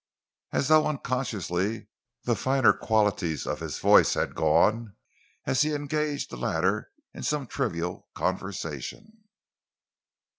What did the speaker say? As though unconsciously, the finer qualities of his voice had gone as he engaged the latter in some trivial conversation.